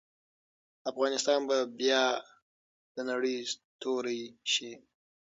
افغانستان به بیا د نړۍ ستوری شي.